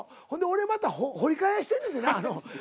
ほんで俺また掘り返してるねんてな。